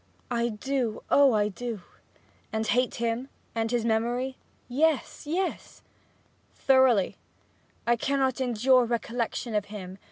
'I do oh, I do!' 'And hate him, and his memory?' 'Yes yes!' 'Thoroughly?' 'I cannot endure recollection of him!'